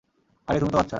আরে, তুমি তো বাচ্চা।